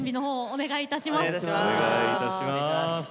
お願いいたします。